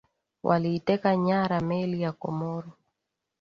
waliiteka nyara meli ya comoro